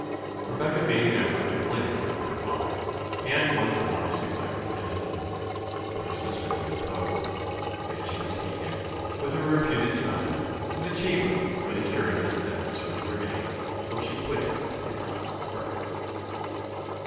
Rebecca made an effort to cling around her father, and once more to declare her innocence: but her sisters interposed, and she was taken, with her reputed son, to the chamber where the curate had sentenced her to remain, till she quitted his house for ever.